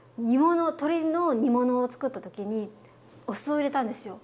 鶏の煮物をつくった時にお酢を入れたんですよ。